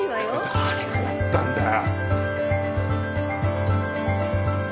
誰がやったんだよ